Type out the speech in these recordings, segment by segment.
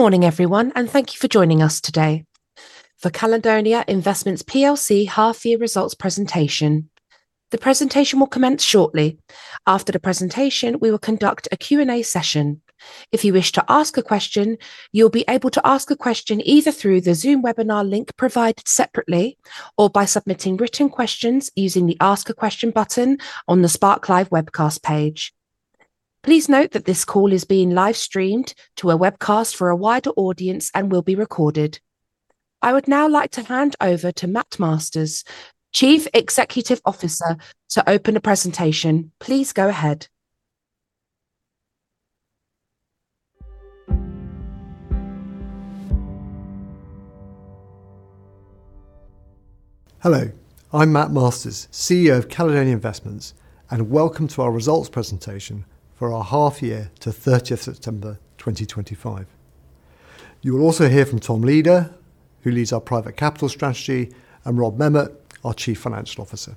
Good morning, everyone, and thank you for joining us today for Caledonia Investments half-year results presentation. The presentation will commence shortly. After the presentation, we will conduct a Q&A session. If you wish to ask a question, you'll be able to ask a question either through the Zoom webinar link provided separately or by submitting written questions using the Ask a Question button on the Spark Live webcast page. Please note that this call is being live-streamed to a webcast for a wider audience and will be recorded. I would now like to hand over to Mathew Masters, Chief Executive Officer, to open the presentation. Please go ahead. Hello, I'm Mathew Masters, CEO of Caledonia Investments, and welcome to our results presentation for our half-year to 30th September 2025. You will also hear from Tom Leader, who leads our private capital strategy, and Robert Memmott, our Chief Financial Officer.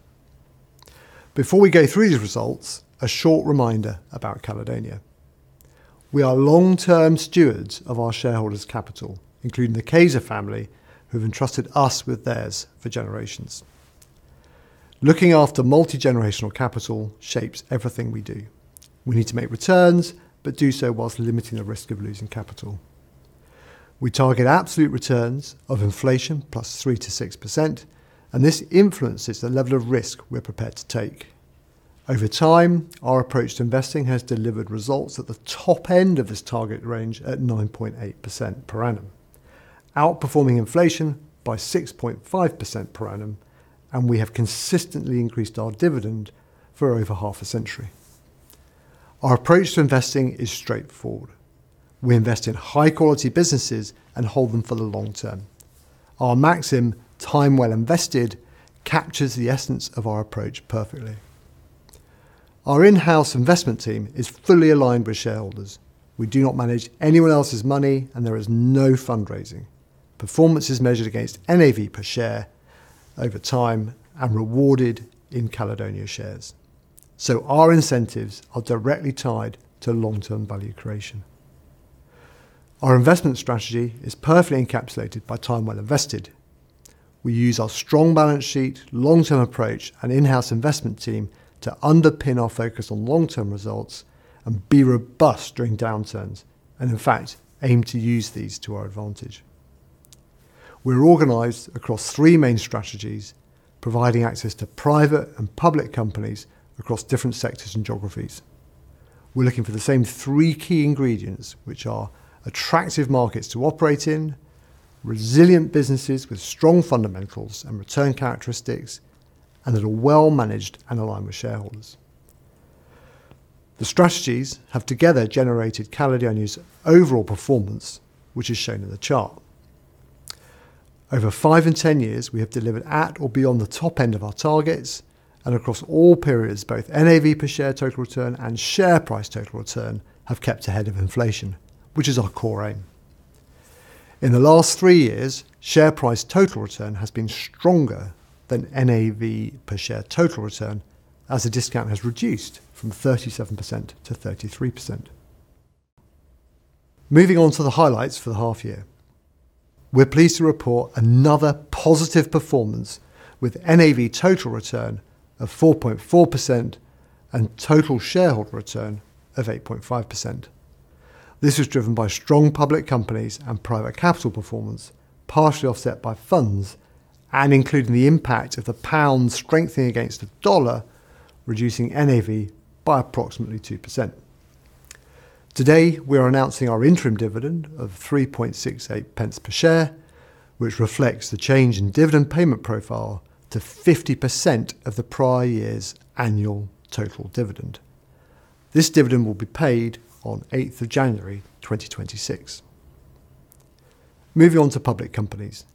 Before we go through these results, a short reminder about Caledonia. We are long-term stewards of our shareholders' capital, including the Cayzer family, who have entrusted us with theirs for generations. Looking after multi-generational capital shapes everything we do. We need to make returns, but do so whilst limiting the risk of losing capital. We target absolute returns of inflation +3% to 6%, and this influences the level of risk we're prepared to take. Over time, our approach to investing has delivered results at the top end of this target range at 9.8% per annum, outperforming inflation by 6.5% per annum, and we have consistently increased our dividend for over half a century. Our approach to investing is straightforward. We invest in high-quality businesses and hold them for the long term. Our maxim, "Time well invested," captures the essence of our approach perfectly. Our in-house investment team is fully aligned with shareholders. We do not manage anyone else's money, and there is no fundraising. Performance is measured against NAV per share over time and rewarded in Caledonia shares. Our incentives are directly tied to long-term value creation. Our investment strategy is perfectly encapsulated by "Time well invested." We use our strong balance sheet, long-term approach, and in-house investment team to underpin our focus on long-term results and be robust during downturns and, in fact, aim to use these to our advantage. We're organized across three main strategies, providing access to private and public companies across different sectors and geographies. We're looking for the same three key ingredients, which are attractive markets to operate in, resilient businesses with strong fundamentals and return characteristics, and that are well managed and aligned with shareholders. The strategies have together generated Caledonia's overall performance, which is shown in the chart. Over five and ten years, we have delivered at or beyond the top end of our targets, and across all periods, both NAV per share total return and share price total return have kept ahead of inflation, which is our core aim. In the last three years, share price total return has been stronger than NAV per share total return, as the discount has reduced from 37% to 33%. Moving on to the highlights for the half-year, we're pleased to report another positive performance with NAV total return of 4.4% and total shareholder return of 8.5%. This was driven by strong public companies and private capital performance, partially offset by funds and including the impact of the pound strengthening against the dollar, reducing NAV by approximately 2%. Today, we are announcing our interim dividend of 0.0368 per share, which reflects the change in dividend payment profile to 50% of the prior year's annual total dividend. This dividend will be paid on 8th January 2026. Moving on to public companies,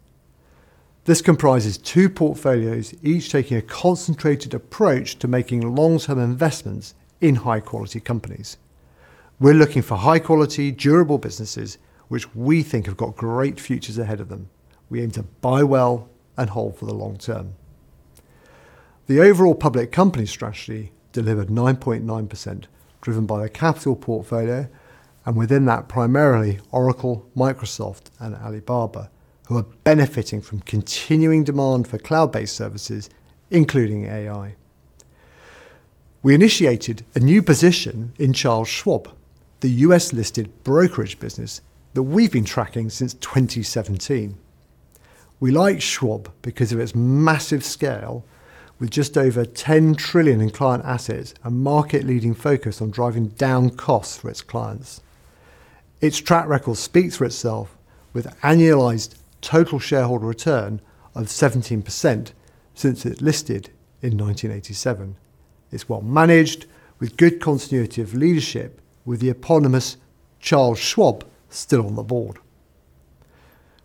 this comprises two portfolios, each taking a concentrated approach to making long-term investments in high-quality companies. We're looking for high-quality, durable businesses, which we think have got great futures ahead of them. We aim to buy well and hold for the long term. The overall public company strategy delivered 9.9%, driven by a capital portfolio, and within that primarily Oracle, Microsoft, and Alibaba, who are benefiting from continuing demand for Cloud-based services, including AI. We initiated a new position in Charles Schwab, the U.S.-listed brokerage business that we've been tracking since 2017. We like Schwab because of its massive scale, with just over $10 trillion in client assets and market-leading focus on driving down costs for its clients. Its track record speaks for itself, with annualized total shareholder return of 17% since it listed in 1987. It's well managed, with good continuity of leadership, with the eponymous Charles Schwab still on the board.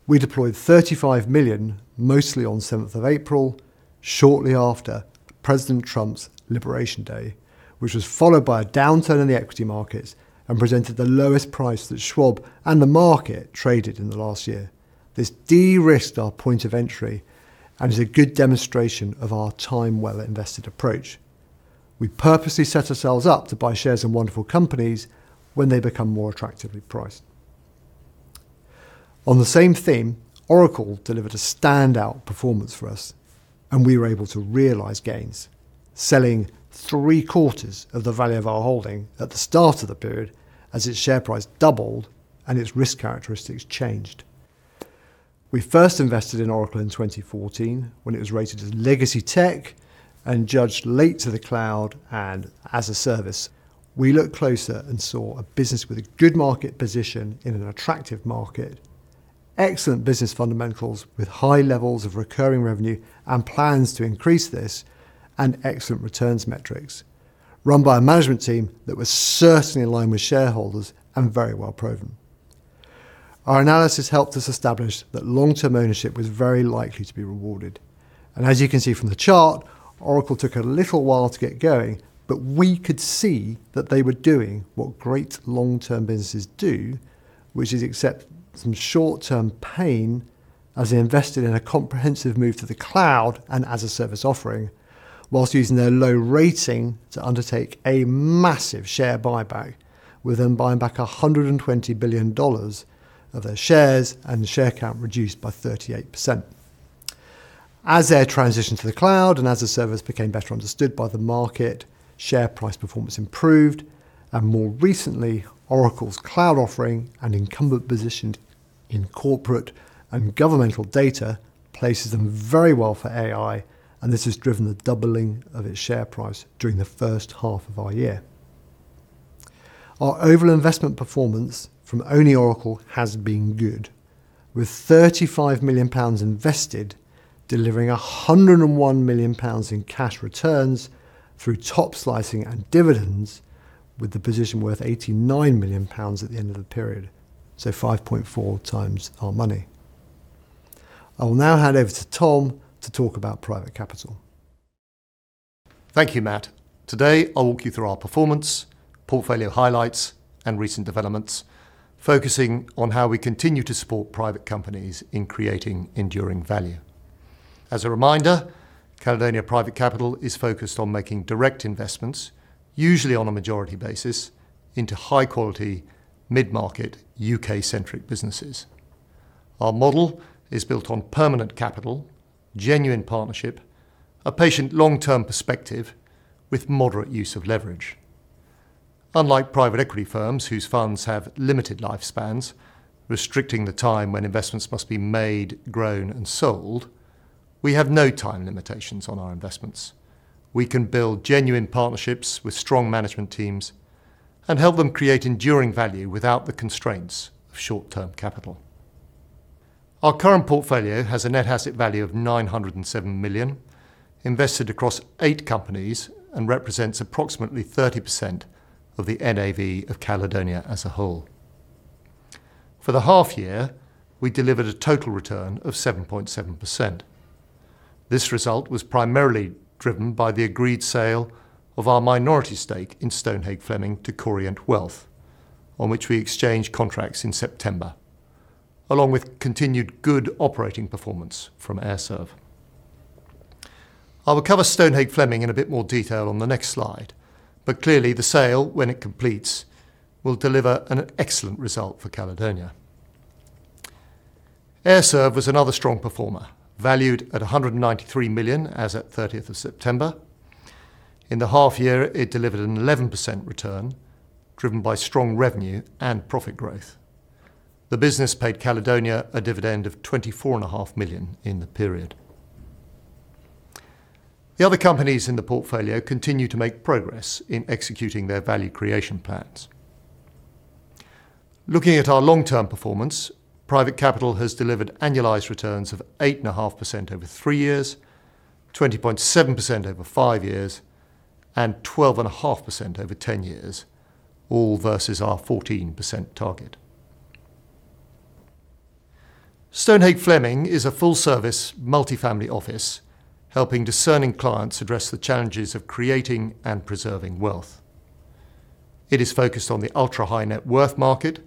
We deployed $35 million, mostly on 7th April, shortly after President Trump's Liberation Day, which was followed by a downturn in the equity markets and presented the lowest price that Schwab and the market traded in the last year. This de-risked our point of entry and is a good demonstration of our "Time well invested" approach. We purposely set ourselves up to buy shares in wonderful companies when they become more attractively priced. On the same theme, Oracle delivered a standout performance for us, and we were able to realize gains, selling three-quarters of the value of our holding at the start of the period as its share price doubled and its risk characteristics changed. We first invested in Oracle in 2014 when it was rated as legacy tech and judged late to the Cloud and as a service. We looked closer and saw a business with a good market position in an attractive market, excellent business fundamentals with high levels of recurring revenue and plans to increase this, and excellent returns metrics run by a management team that was certainly aligned with shareholders and very well proven. Our analysis helped us establish that long-term ownership was very likely to be rewarded. As you can see from the chart, Oracle took a little while to get going, but we could see that they were doing what great long-term businesses do, which is accept some short-term pain as they invested in a comprehensive move to the Cloud and as a service offering, whilst using their low rating to undertake a massive share buyback, with them buying back $120 billion of their shares and share count reduced by 38%. As their transition to the Cloud and as a service became better understood by the market, share price performance improved, and more recently, Oracle's Cloud offering and incumbent position in corporate and governmental data places them very well for AI, and this has driven the doubling of its share price during the first half of our year. Our overall investment performance from only Oracle has been good, with 35 million pounds invested, delivering 101 million pounds in cash returns through top slicing and dividends, with the position worth 89 million pounds at the end of the period, so 5.4 times our money. I will now hand over to Tom to talk about private capital. Thank you, Mat. Today, I'll walk you through our performance, portfolio highlights, and recent developments, focusing on how we continue to support private companies in creating enduring value. As a reminder, Caledonia Private Capital is focused on making direct investments, usually on a majority basis, into high-quality, mid-market, U.K.-centric businesses. Our model is built on permanent capital, genuine partnership, a patient long-term perspective, with moderate use of leverage. Unlike private equity firms whose funds have limited lifespans, restricting the time when investments must be made, grown, and sold, we have no time limitations on our investments. We can build genuine partnerships with strong management teams and help them create enduring value without the constraints of short-term capital. Our current portfolio has a net asset value of 907 million, invested across eight companies, and represents approximately 30% of the NAV of Caledonia as a whole. For the half-year, we delivered a total return of 7.7%. This result was primarily driven by the agreed sale of our minority stake in Stonehage Fleming to Corient Wealth, on which we exchanged contracts in September, along with continued good operating performance from Air Serv. I will cover Stonehage Fleming in a bit more detail on the next slide, but clearly, the sale, when it completes, will deliver an excellent result for Caledonia. Air Serv was another strong performer, valued at 193 million as of 30th September. In the half-year, it delivered an 11% return, driven by strong revenue and profit growth. The business paid Caledonia a dividend of 24.5 million in the period. The other companies in the portfolio continue to make progress in executing their value creation plans. Looking at our long-term performance, private capital has delivered annualized returns of 8.5% over three years, 20.7% over five years, and 12.5% over 10 years, all versus our 14% target. Stonehage Fleming is a full-service multifamily office, helping discerning clients address the challenges of creating and preserving wealth. It is focused on the ultra-high net worth market,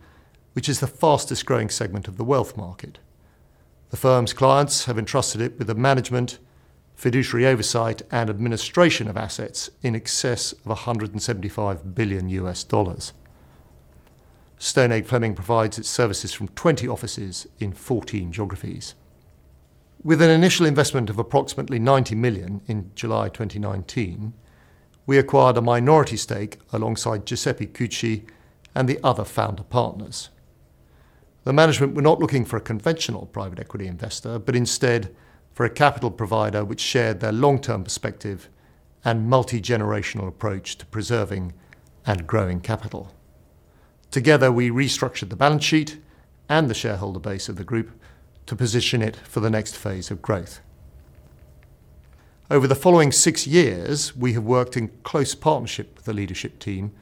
which is the fastest-growing segment of the wealth market. The firm's clients have entrusted it with the management, fiduciary oversight, and administration of assets in excess of $175 billion. Stonehage Fleming provides its services from 20 offices in 14 geographies. With an initial investment of approximately 90 million in July 2019, we acquired a minority stake alongside Giuseppe Cucci and the other founder partners. The management were not looking for a conventional private equity investor, but instead for a capital provider which shared their long-term perspective and multi-generational approach to preserving and growing capital. Together, we restructured the balance sheet and the shareholder base of the group to position it for the next phase of growth. Over the following six years, we have worked in close partnership with the leadership team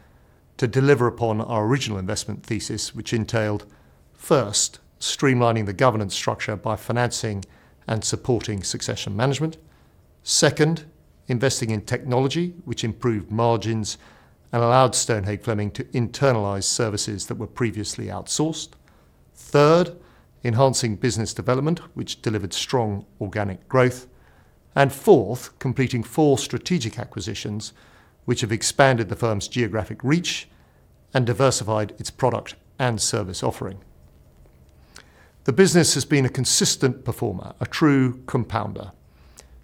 to deliver upon our original investment thesis, which entailed, first, streamlining the governance structure by financing and supporting succession management; second, investing in technology, which improved margins and allowed Stonehage Fleming to internalize services that were previously outsourced; third, enhancing business development, which delivered strong organic growth; and fourth, completing four strategic acquisitions, which have expanded the firm's geographic reach and diversified its product and service offering. The business has been a consistent performer, a true compounder.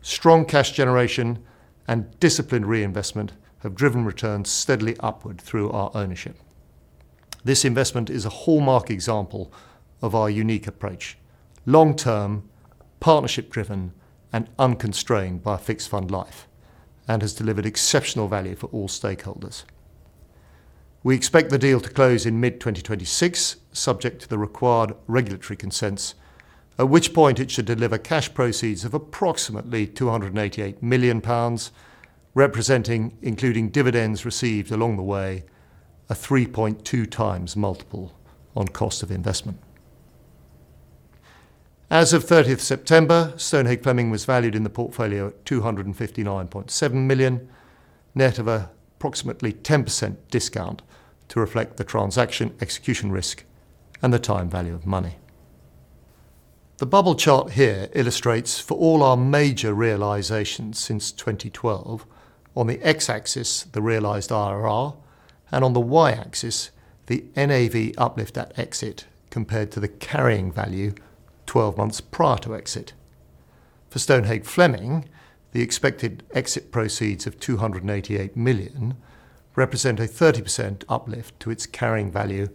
Strong cash generation and disciplined reinvestment have driven returns steadily upward through our ownership. This investment is a hallmark example of our unique approach: long-term, partnership-driven, and unconstrained by fixed fund life, and has delivered exceptional value for all stakeholders. We expect the deal to close in mid-2026, subject to the required regulatory consents, at which point it should deliver cash proceeds of approximately 288 million pounds, representing, including dividends received along the way, a 3.2 times multiple on cost of investment. As of 30 September, Stonehage Fleming was valued in the portfolio at 259.7 million, net of an approximately 10% discount to reflect the transaction execution risk and the time value of money. The bubble chart here illustrates for all our major realizations since 2012, on the X-axis, the realized IRR, and on the Y-axis, the NAV uplift at exit compared to the carrying value 12 months prior to exit. For Stonehage Fleming, the expected exit proceeds of 288 million represent a 30% uplift to its carrying value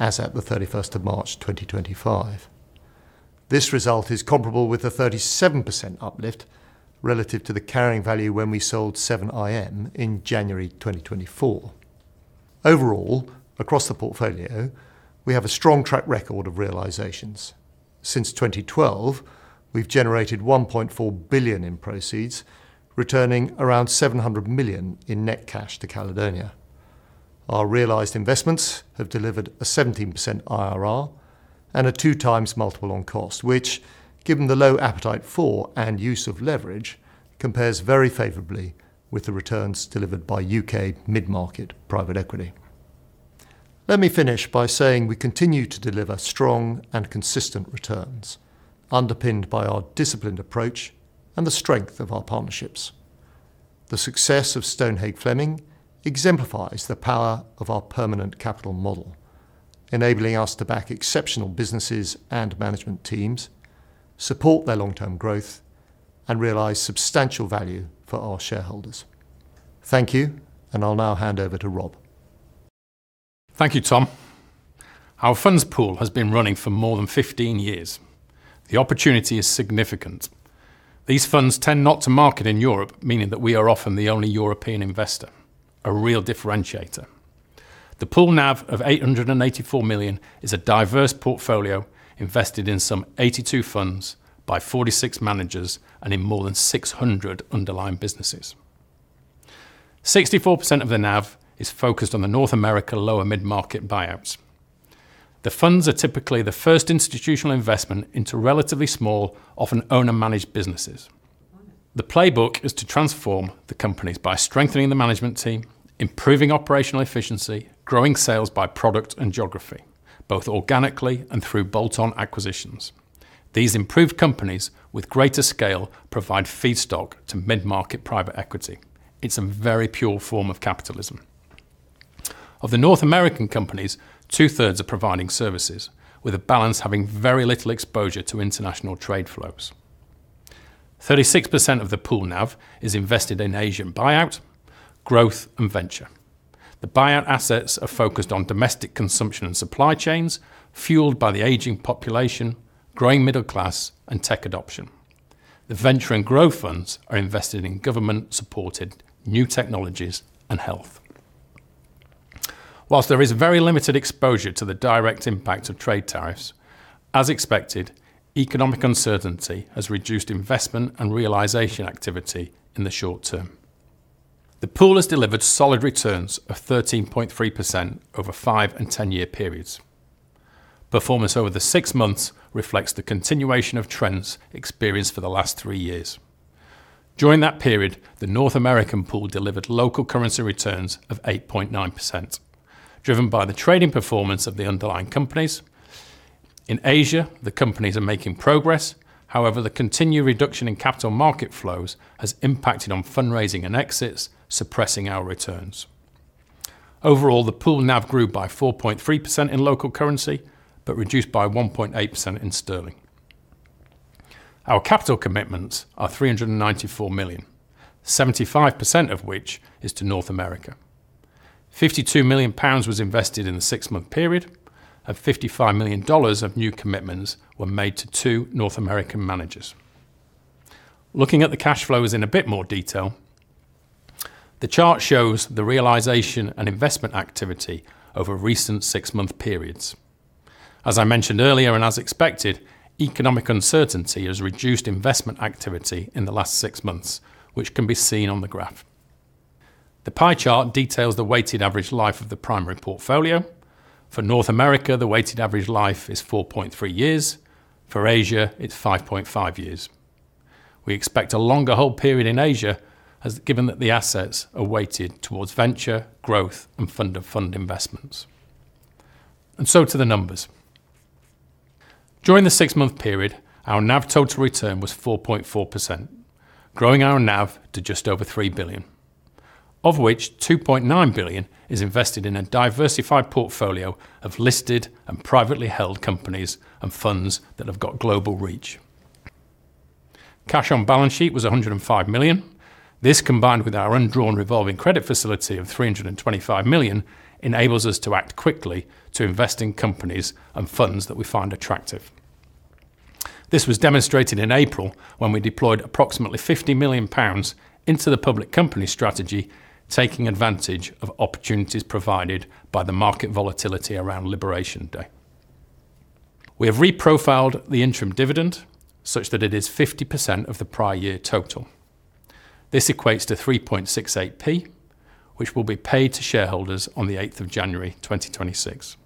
as at the 31 March 2025. This result is comparable with a 37% uplift relative to the carrying value when we sold 7 IM in January 2024. Overall, across the portfolio, we have a strong track record of realizations. Since 2012, we've generated 1.4 billion in proceeds, returning around 700 million in net cash to Caledonia. Our realized investments have delivered a 17% IRR and a two-times multiple on cost, which, given the low appetite for and use of leverage, compares very favorably with the returns delivered by U.K. mid-market private equity. Let me finish by saying we continue to deliver strong and consistent returns, underpinned by our disciplined approach and the strength of our partnerships. The success of Stonehage Fleming exemplifies the power of our permanent capital model, enabling us to back exceptional businesses and management teams, support their long-term growth, and realize substantial value for our shareholders. Thank you, and I'll now hand over to Rob. Thank you, Tom. Our funds pool has been running for more than 15 years. The opportunity is significant. These funds tend not to market in Europe, meaning that we are often the only European investor, a real differentiator. The pool now of 884 million is a diverse portfolio invested in some 82 funds by 46 managers and in more than 600 underlying businesses. 64% of the NAV is focused on the North America lower mid-market buyouts. The funds are typically the first institutional investment into relatively small, often owner-managed businesses. The playbook is to transform the companies by strengthening the management team, improving operational efficiency, growing sales by product and geography, both organically and through bolt-on acquisitions. These improved companies with greater scale provide feedstock to mid-market private equity. It's a very pure form of capitalism. Of the North American companies, 2/3 are providing services, with a balance having very little exposure to international trade flows. 36% of the pool NAV is invested in Asian buyout, growth, and venture. The buyout assets are focused on domestic consumption and supply chains fueled by the aging population, growing middle class, and tech adoption. The venture and growth funds are invested in government-supported new technologies and health. Whilst there is very limited exposure to the direct impact of trade tariffs, as expected, economic uncertainty has reduced investment and realization activity in the short term. The pool has delivered solid returns of 13.3% over five and 10-year periods. Performance over the six months reflects the continuation of trends experienced for the last three years. During that period, the North American pool delivered local currency returns of 8.9%, driven by the trading performance of the underlying companies. In Asia, the companies are making progress; however, the continued reduction in capital market flows has impacted on fundraising and exits, suppressing our returns. Overall, the pool NAV grew by 4.3% in local currency but reduced by 1.8% in GBP. Our capital commitments are 394 million, 75% of which is to North America. 52 million pounds was invested in the six-month period, and $55 million of new commitments were made to two North American managers. Looking at the cash flows in a bit more detail, the chart shows the realization and investment activity over recent six-month periods. As I mentioned earlier and as expected, economic uncertainty has reduced investment activity in the last six months, which can be seen on the graph. The pie chart details the weighted average life of the primary portfolio. For North America, the weighted average life is 4.3 years. For Asia, it's 5.5 years. We expect a longer hold period in Asia, given that the assets are weighted towards venture, growth, and fund-of-fund investments. To the numbers. During the six-month period, our NAV total return was 4.4%, growing our NAV to just over 3 billion, of which 2.9 billion is invested in a diversified portfolio of listed and privately held companies and funds that have got global reach. Cash on balance sheet was 105 million. This, combined with our undrawn revolving credit facility of 325 million, enables us to act quickly to invest in companies and funds that we find attractive. This was demonstrated in April when we deployed approximately 50 million pounds into the public company strategy, taking advantage of opportunities provided by the market volatility around Liberation Day. We have reprofiled the interim dividend such that it is 50% of the prior year total. This equates to 3.68p, which will be paid to shareholders on the 8th of January, 2026.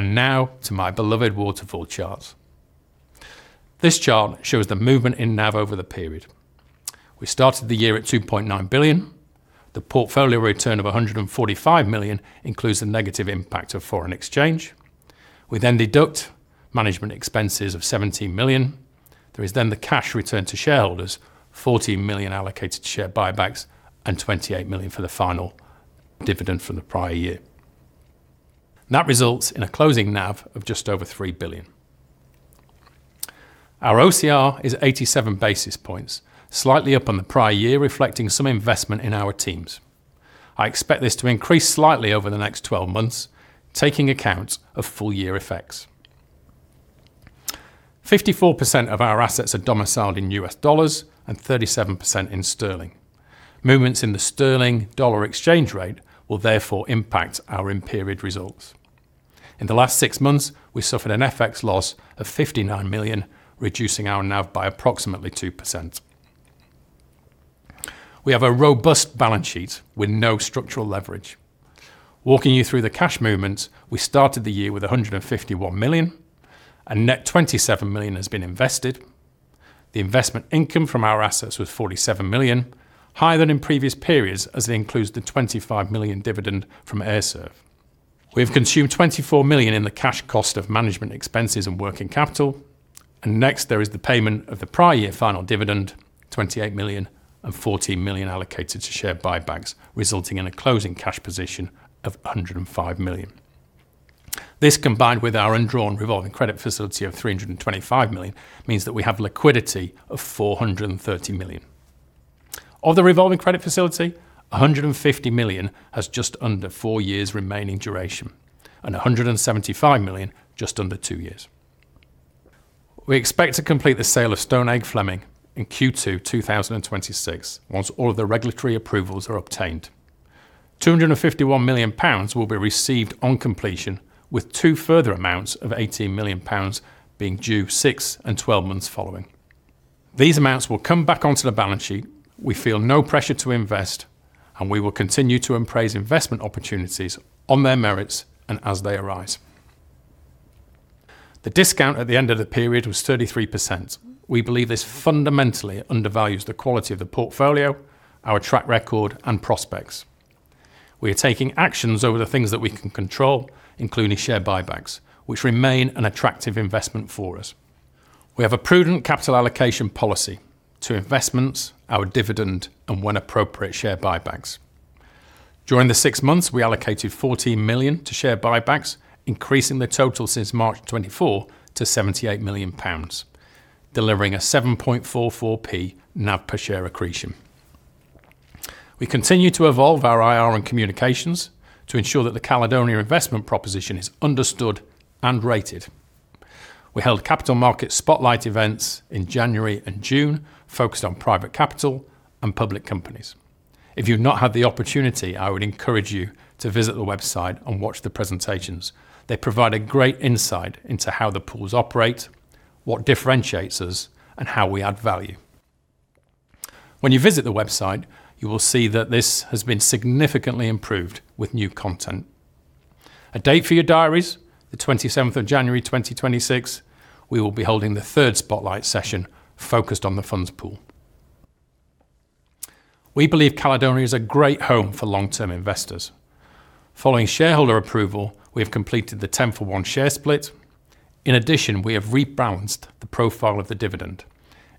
Now to my beloved waterfall chart. This chart shows the movement in NAV over the period. We started the year at 2.9 billion. The portfolio return of 145 million includes the negative impact of foreign exchange. We then deduct management expenses of 17 million. There is then the cash return to shareholders, 14 million allocated to share buybacks, and 28 million for the final dividend from the prior year. That results in a closing NAV of just over 3 billion. Our OCR is 87 basis points, slightly up on the prior year, reflecting some investment in our teams. I expect this to increase slightly over the next 12 months, taking account of full-year effects. 54% of our assets are domiciled in U.S. dollars and 37% in sterling. Movements in the sterling-dollar exchange rate will therefore impact our impaired results. In the last six months, we suffered an FX loss of 59 million, reducing our NAV by approximately 2%. We have a robust balance sheet with no structural leverage. Walking you through the cash movements, we started the year with 151 million, and net 27 million has been invested. The investment income from our assets was 47 million, higher than in previous periods as it includes the 25 million dividend from Air Serv. We have consumed 24 million in the cash cost of management expenses and working capital. Next, there is the payment of the prior year final dividend, 28 million, and 14 million allocated to share buybacks, resulting in a closing cash position of 105 million. This, combined with our undrawn revolving credit facility of 325 million, means that we have liquidity of 430 million. Of the revolving credit facility, 150 million has just under four years remaining duration, and 175 million just under two years. We expect to complete the sale of Stonehage Fleming in Q2 2026 once all of the regulatory approvals are obtained. 251 million pounds will be received on completion, with two further amounts of 18 million pounds being due six and twelve months following. These amounts will come back onto the balance sheet. We feel no pressure to invest, and we will continue to embrace investment opportunities on their merits and as they arise. The discount at the end of the period was 33%. We believe this fundamentally undervalues the quality of the portfolio, our track record, and prospects. We are taking actions over the things that we can control, including share buybacks, which remain an attractive investment for us. We have a prudent capital allocation policy to investments, our dividend, and when appropriate, share buybacks. During the six months, we allocated 14 million to share buybacks, increasing the total since March 2024 to 78 million pounds, delivering a 7.44p NAV per share accretion. We continue to evolve our IR and communications to ensure that the Caledonia investment proposition is understood and rated. We held capital market spotlight events in January and June, focused on private capital and public companies. If you've not had the opportunity, I would encourage you to visit the website and watch the presentations. They provide a great insight into how the pools operate, what differentiates us, and how we add value. When you visit the website, you will see that this has been significantly improved with new content. A date for your diaries, the 27th of January 2026, we will be holding the third spotlight session focused on the funds pool. We believe Caledonia is a great home for long-term investors. Following shareholder approval, we have completed the 10-for-1 share split. In addition, we have rebalanced the profile of the dividend,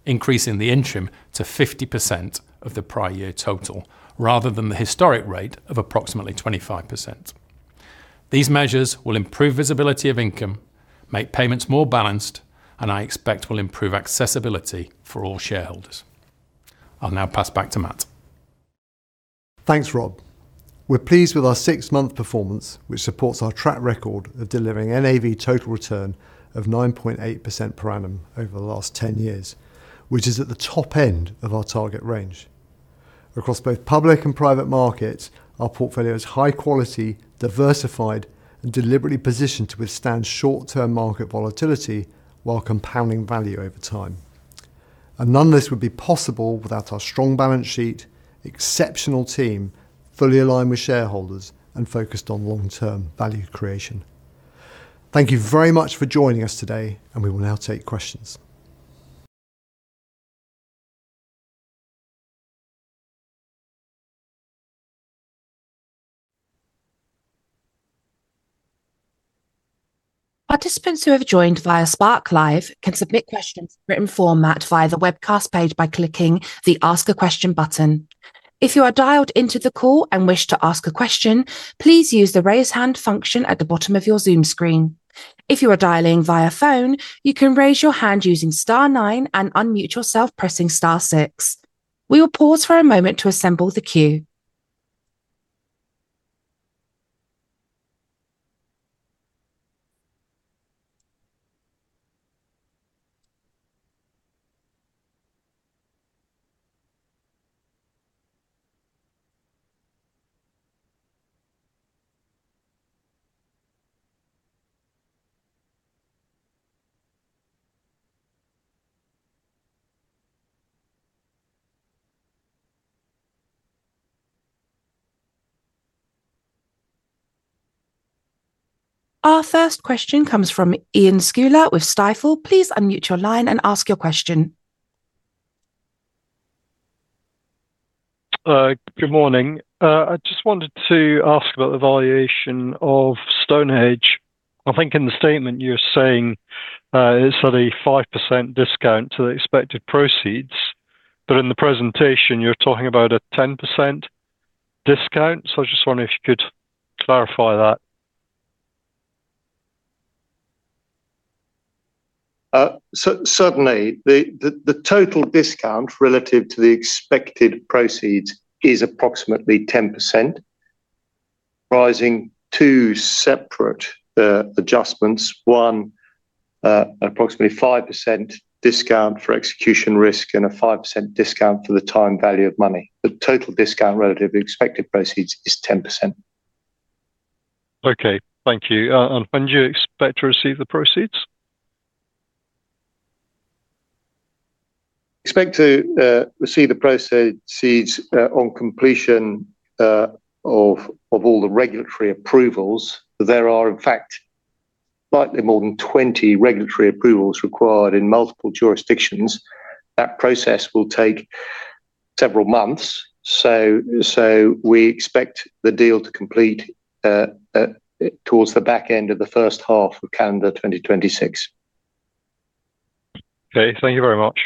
increasing the interim to 50% of the prior year total rather than the historic rate of approximately 25%. These measures will improve visibility of income, make payments more balanced, and I expect will improve accessibility for all shareholders. I'll now pass back to Mat. Thanks, Rob. We're pleased with our six-month performance, which supports our track record of delivering NAV total return of 9.8% per annum over the last 10 years, which is at the top end of our target range. Across both public and private markets, our portfolio is high-quality, diversified, and deliberately positioned to withstand short-term market volatility while compounding value over time. None of this would be possible without our strong balance sheet, exceptional team, fully aligned with shareholders, and focused on long-term value creation. Thank you very much for joining us today, and we will now take questions. Participants who have joined via Spark Live can submit questions in written format via the webcast page by clicking the Ask a Question button. If you are dialed into the call and wish to ask a question, please use the raise hand function at the bottom of your Zoom screen. If you are dialing via phone, you can raise your hand using star nine and unmute yourself pressing star six. We will pause for a moment to assemble the queue. Our first question comes from Ian Schmuller with Stifel. Please unmute your line and ask your question. Good morning. I just wanted to ask about the valuation of Stonehage Fleming. I think in the statement you're saying it's at a 5% discount to the expected proceeds, but in the presentation, you're talking about a 10% discount. I just wonder if you could clarify that. Certainly, the total discount relative to the expected proceeds is approximately 10%, rising two separate adjustments. One, approximately 5% discount for execution risk and a 5% discount for the time value of money. The total discount relative to expected proceeds is 10%. Okay, thank you. When do you expect to receive the proceeds? Expect to receive the proceeds on completion of all the regulatory approvals. There are, in fact, slightly more than 20 regulatory approvals required in multiple jurisdictions. That process will take several months. We expect the deal to complete towards the back end of the first half of calendar 2026. Okay, thank you very much.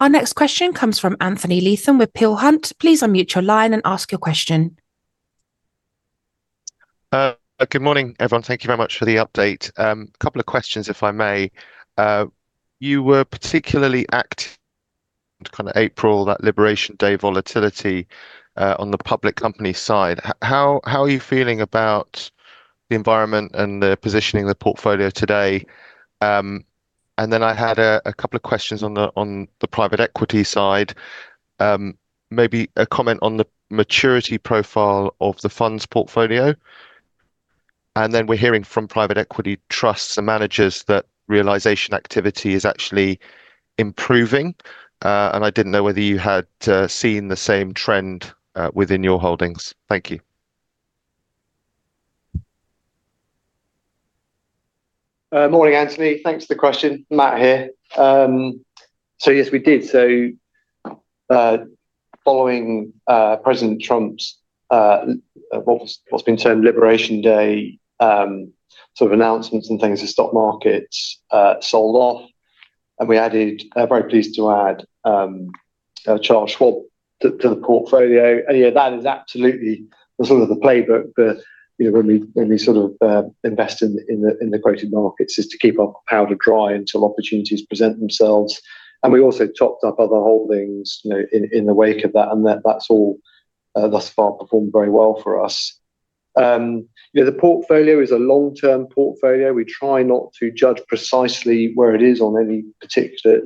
Our next question comes from Anthony Leatham with Peel Hunt. Please unmute your line and ask your question. Good morning, everyone. Thank you very much for the update. A couple of questions, if I may. You were particularly active in kind of April, that Liberation Day volatility on the public company side. How are you feeling about the environment and the positioning of the portfolio today? I had a couple of questions on the private equity side. Maybe a comment on the maturity profile of the funds portfolio. We are hearing from private equity trusts and managers that realization activity is actually improving. I did not know whether you had seen the same trend within your holdings. Thank you. Morning, Anthony. Thanks for the question. Matt here. Yes, we did. Following President Trump's what's been termed Liberation Day sort of announcements and things, the stock markets sold off. We added, very pleased to add, Charles Schwab to the portfolio. That is absolutely the sort of the playbook for when we sort of invest in the equity markets is to keep our powder dry until opportunities present themselves. We also topped up other holdings in the wake of that. That has all thus far performed very well for us. The portfolio is a long-term portfolio. We try not to judge precisely where it is on any particular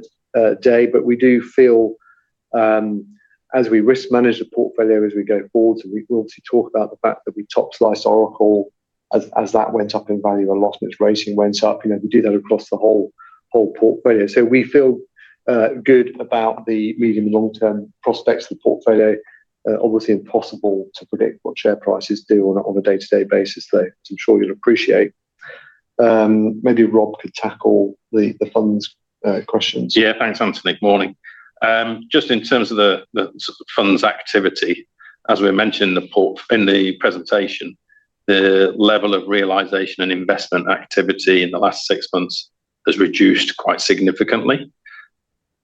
day, but we do feel as we risk manage the portfolio as we go forward. We will talk about the fact that we top slice Oracle as that went up in value and loss ratio went up. We do that across the whole portfolio. We feel good about the medium and long-term prospects of the portfolio. Obviously, impossible to predict what share prices do on a day-to-day basis, though, as I'm sure you'll appreciate. Maybe Rob could tackle the funds questions. Yeah, thanks, Anthony. Morning. Just in terms of the funds activity, as we mentioned in the presentation, the level of realization and investment activity in the last six months has reduced quite significantly.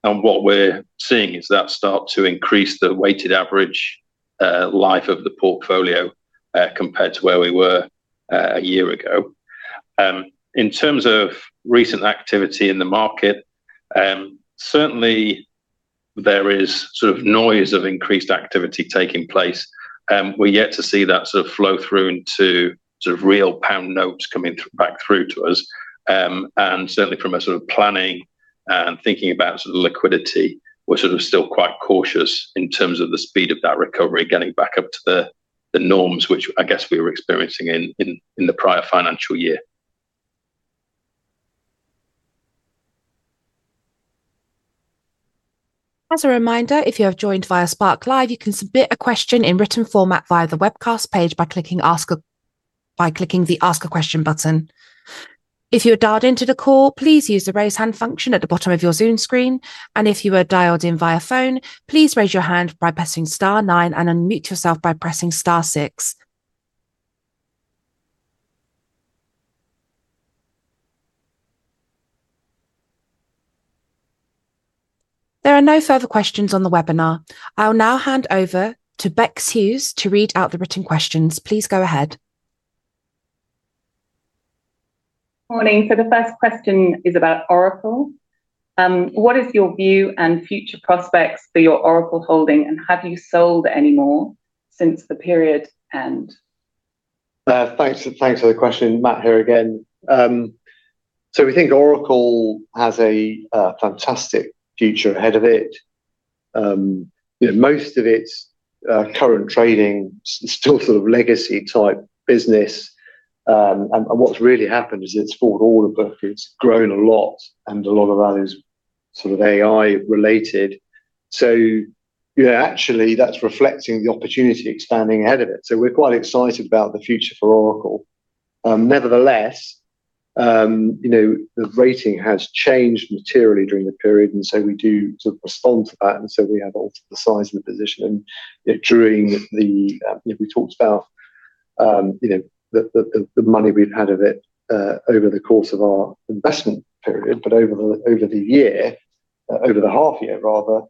What we're seeing is that start to increase the weighted average life of the portfolio compared to where we were a year ago. In terms of recent activity in the market, certainly there is sort of noise of increased activity taking place. We're yet to see that sort of flow through into sort of real pound notes coming back through to us. Certainly from a sort of planning and thinking about sort of liquidity, we're sort of still quite cautious in terms of the speed of that recovery getting back up to the norms, which I guess we were experiencing in the prior financial year. As a reminder, if you have joined via Spark Live, you can submit a question in written format via the webcast page by clicking the Ask a Question button. If you are dialed into the call, please use the raise hand function at the bottom of your Zoom screen. If you are dialed in via phone, please raise your hand by pressing star nine and unmute yourself by pressing star six. There are no further questions on the webinar. I'll now hand over to Rebecca Hughes to read out the written questions. Please go ahead. Morning. The first question is about Oracle. What is your view and future prospects for your Oracle holding, and have you sold any more since the period end? Thanks for the question. Matt here again. We think Oracle has a fantastic future ahead of it. Most of its current trading is still sort of legacy type business. What's really happened is it's bought all of it. It's grown a lot and a lot of that is sort of AI related. Yeah, actually, that's reflecting the opportunity expanding ahead of it. We're quite excited about the future for Oracle. Nevertheless, the rating has changed materially during the period, and we do sort of respond to that. We have altered the size of the position. We talked about the money we've had of it over the course of our investment period, but over the year, over the half year, rather,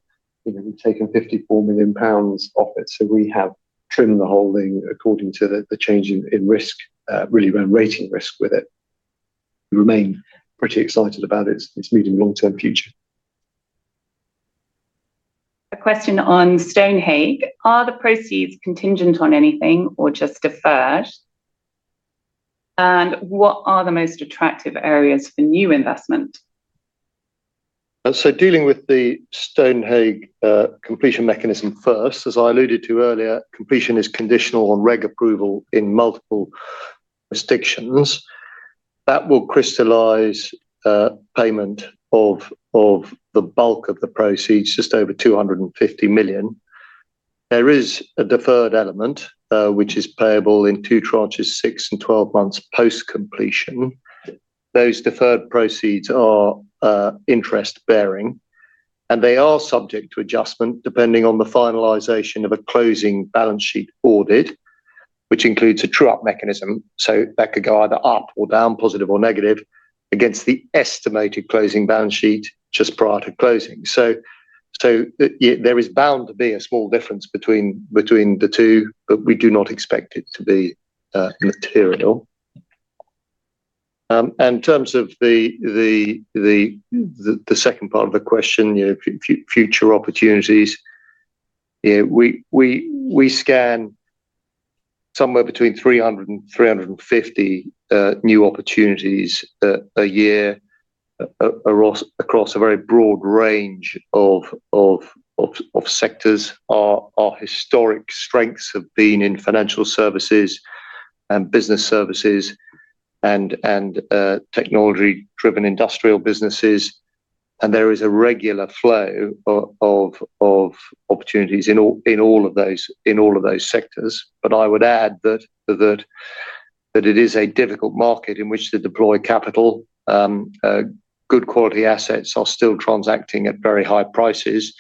we've taken 54 million pounds off it. We have trimmed the holding according to the change in risk, really rate risk with it. We remain pretty excited about its medium and long-term future. A question on Stonehage Fleming. Are the proceeds contingent on anything or just deferred? What are the most attractive areas for new investment? Dealing with the Stonehage Fleming completion mechanism first, as I alluded to earlier, completion is conditional on regulatory approval in multiple jurisdictions. That will crystallize payment of the bulk of the proceeds, just over 250 million. There is a deferred element, which is payable in two tranches, six and twelve months post completion. Those deferred proceeds are interest bearing, and they are subject to adjustment depending on the finalization of a closing balance sheet audit, which includes a true-up mechanism. That could go either up or down, positive or negative, against the estimated closing balance sheet just prior to closing. There is bound to be a small difference between the two, but we do not expect it to be material. In terms of the second part of the question, future opportunities, we scan somewhere between 300 and 350 new opportunities a year across a very broad range of sectors. Our historic strengths have been in financial services and business services and technology-driven industrial businesses. There is a regular flow of opportunities in all of those sectors. I would add that it is a difficult market in which to deploy capital. Good quality assets are still transacting at very high prices,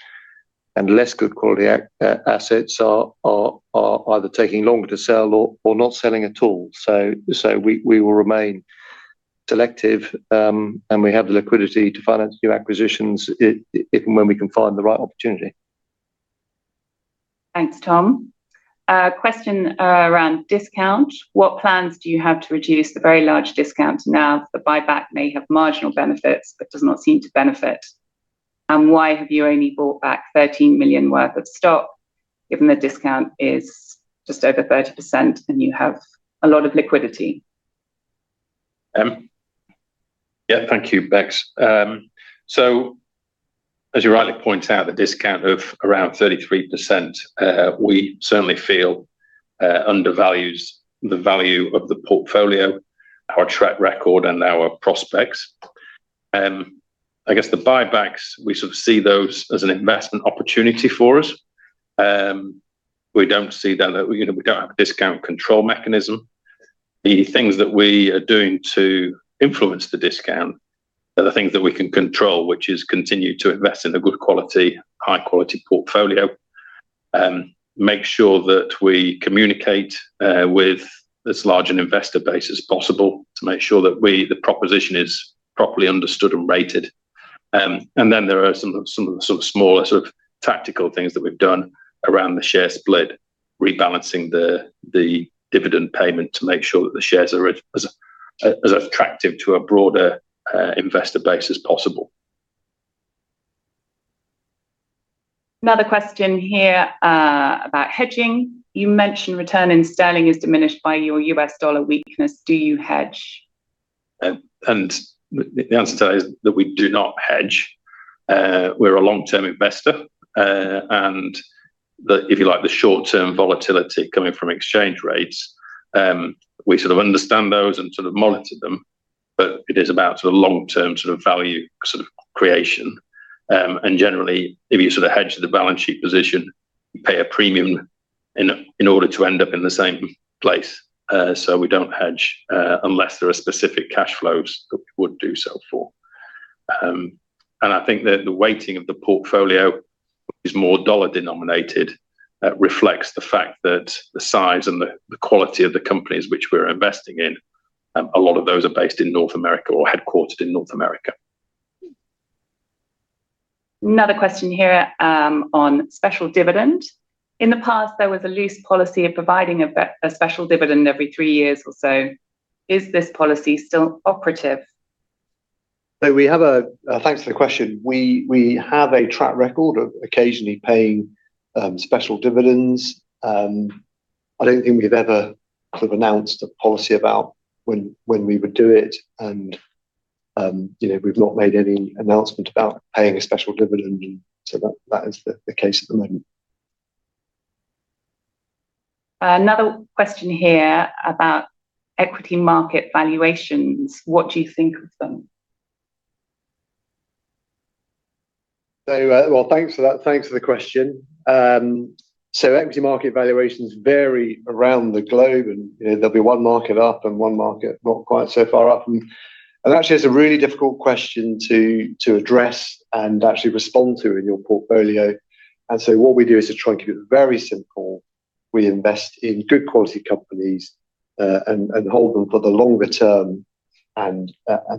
and less good quality assets are either taking longer to sell or not selling at all. We will remain selective, and we have the liquidity to finance new acquisitions when we can find the right opportunity. Thanks, Tom. Question around discount. What plans do you have to reduce the very large discount now that the buyback may have marginal benefits but does not seem to benefit? Why have you only bought back 13 million worth of stock given the discount is just over 30% and you have a lot of liquidity? Yeah, thank you, Bex. As you rightly point out, the discount of around 33%, we certainly feel undervalues the value of the portfolio, our track record, and our prospects. I guess the buybacks, we sort of see those as an investment opportunity for us. We do not see that we do not have a discount control mechanism. The things that we are doing to influence the discount are the things that we can control, which is continue to invest in a good quality, high-quality portfolio, make sure that we communicate with as large an investor base as possible to make sure that the proposition is properly understood and rated. There are some of the sort of smaller sort of tactical things that we have done around the share split, rebalancing the dividend payment to make sure that the shares are as attractive to a broader investor base as possible. Another question here about hedging. You mentioned return in sterling is diminished by your U.S. dollar weakness. Do you hedge? The answer to that is that we do not hedge. We're a long-term investor. If you like, the short-term volatility coming from exchange rates, we sort of understand those and sort of monitor them. It is about sort of long-term sort of value sort of creation. Generally, if you sort of hedge the balance sheet position, you pay a premium in order to end up in the same place. We do not hedge unless there are specific cash flows that we would do so for. I think that the weighting of the portfolio, which is more dollar denominated, reflects the fact that the size and the quality of the companies which we're investing in, a lot of those are based in North America or headquartered in North America. Another question here on special dividend. In the past, there was a loose policy of providing a special dividend every three years or so. Is this policy still operative? Thanks for the question. We have a track record of occasionally paying special dividends. I do not think we have ever sort of announced a policy about when we would do it. We have not made any announcement about paying a special dividend. That is the case at the moment. Another question here about equity market valuations. What do you think of them? Thanks for the question. Equity market valuations vary around the globe. There will be one market up and one market not quite so far up. Actually, it is a really difficult question to address and actually respond to in your portfolio. What we do is to try and keep it very simple. We invest in good quality companies and hold them for the longer term and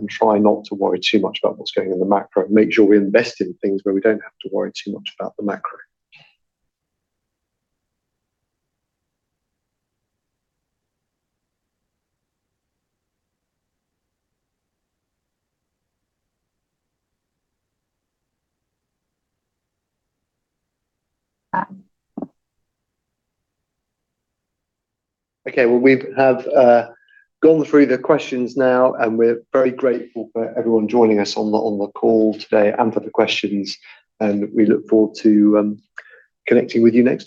try not to worry too much about what is going on in the macro and make sure we invest in things where we do not have to worry too much about the macro. We have gone through the questions now, and we are very grateful for everyone joining us on the call today and for the questions. We look forward to connecting with you next time.